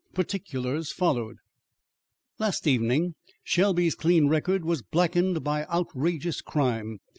Particulars followed. "Last evening Shelby's clean record was blackened by outrageous crime.